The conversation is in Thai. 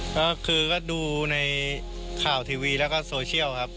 ก็คือก็ดูในข่าวทีวีแล้วก็โซเชียลครับ